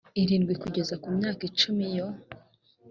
irindwi kugeza ku myaka icumi iyo